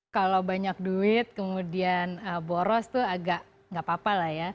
kalau banyak duit kemudian boros itu agak nggak apa apa lah ya